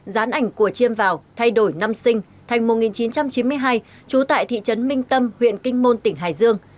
dán ảnh của chiêm vào thay đổi năm sinh thành một nghìn chín trăm chín mươi hai trú tại thị trấn minh tâm huyện kinh môn tỉnh hải dương